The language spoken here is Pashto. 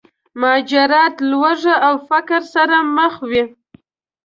مهاجرت، لوږې او فقر سره مخ وي.